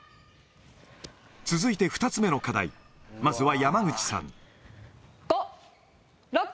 続いて２つ目の課題、まずは山口さん。